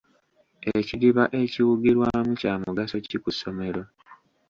Ekidiba ekiwugirwamu kya mugaso ki ku ssomero?